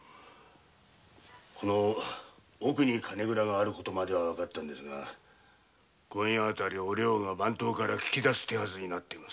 この奥に金蔵がある事はわかったんですが今夜あたりお涼が番頭から聞き出す手はずになってます。